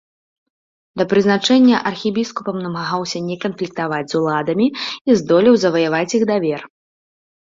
Да прызначэння архібіскупам намагаўся не канфліктаваць з уладамі і здолеў заваяваць іх давер.